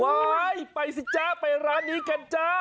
ไปสิจ๊ะไปร้านนี้กันจ้า